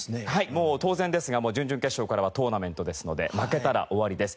もう当然ですが準々決勝からはトーナメントですので負けたら終わりです。